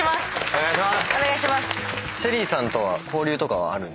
お願いします。